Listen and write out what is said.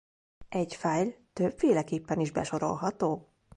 Egy fájl többféleképpen is besorolható.